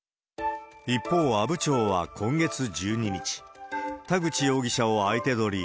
一方、阿武町は今月１２日、田口容疑者を相手取り、